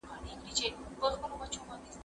زه مخکي زدکړه کړې وه!!